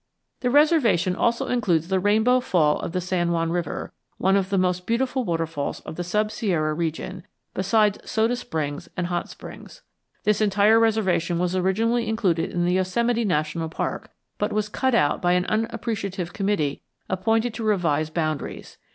The reservation also includes the Rainbow Fall of the San Juan River, one of the most beautiful waterfalls of the sub Sierra region, besides soda springs and hot springs. This entire reservation was originally included in the Yosemite National Park, but was cut out by an unappreciative committee appointed to revise boundaries.